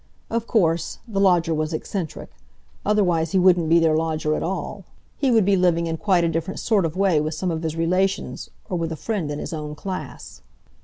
Of course, the lodger was eccentric, otherwise he wouldn't be their lodger at all—he would be living in quite a different sort of way with some of his relations, or with a friend in his own class.